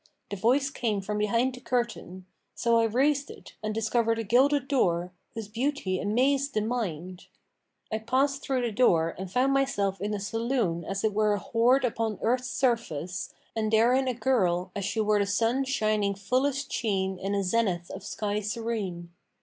The voice came from behind the curtain: so I raised it and discovered a gilded door, whose beauty amazed the mind. I passed through the door and found myself in a saloon as it were a hoard upon earth's surface[FN#511] and therein a girl as she were the sun shining fullest sheen in the zenith of a sky serene.